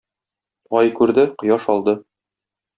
Ай күрде, кояш алды.